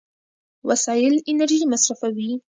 وسایل انرژي مصرفوي.